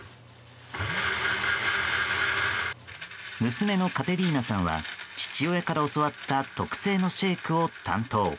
娘のカテリーナさんは父親から教わった特製のシェークを担当。